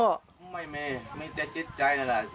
ก็ไม่มีมีแต่จิตใจนั่นแหละ